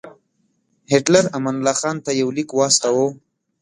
هیټلر امان الله خان ته یو لیک واستاوه.